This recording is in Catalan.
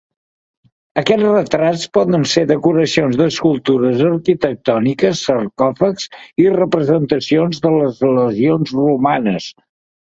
Aquests retrats poden ser decoracions d'escultures arquitectòniques, sarcòfags i representacions de les legions romanes.